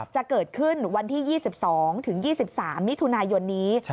จะเกิดขึ้นวันที่๒๒ถึง๒๒๓มิถุนายนนี้